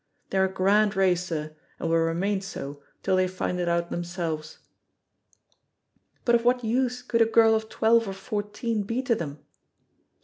They are a grand race, sir, and will remain so till they find it out themselves." "But of what use could a girl of twelve or fourteen be to them?"